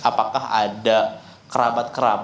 apakah ada kerabat kerabat yang diperlukan untuk menemukan rumah